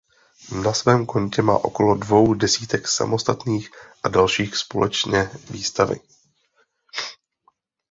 Na svém kontě má okolo dvou desítek samostatných a další společné výstavy.